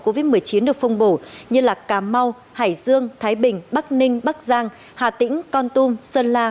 covid một mươi chín được phân bổ như cà mau hải dương thái bình bắc ninh bắc giang hà tĩnh con tum sơn la